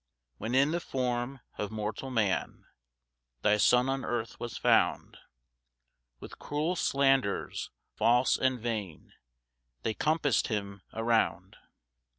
2 When in the form of mortal man Thy Son on earth was found, With cruel slanders, false and vain, They compass'd him around.